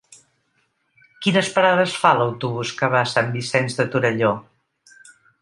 Quines parades fa l'autobús que va a Sant Vicenç de Torelló?